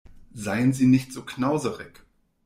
Seien Sie nicht so knauserig!